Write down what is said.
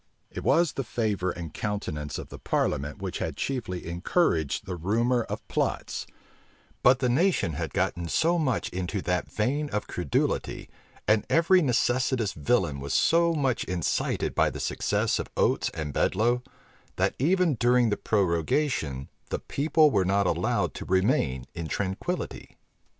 It was the favor and countenance of the parliament which had chiefly encouraged the rumor of plots; but the nation had gotten so much into that vein of credulity, and every necessitous villain was so much incited by the success of Oates and Bedloe, that even during the prorogation the people were not allowed to remain in tranquillity.